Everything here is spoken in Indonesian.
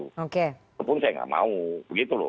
walaupun saya tidak mau